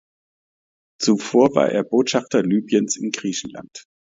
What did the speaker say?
Zuvor war er Botschafter Libyens in Griechenland.